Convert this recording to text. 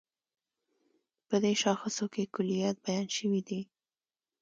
په دې شاخصو کې کُليات بیان شوي دي.